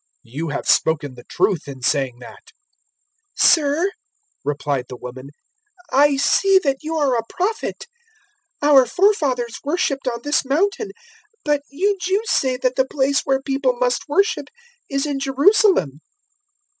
You have spoken the truth in saying that." 004:019 "Sir," replied the woman, "I see that you are a Prophet. 004:020 Our forefathers worshipped on this mountain, but you Jews say that the place where people must worship is in Jerusalem."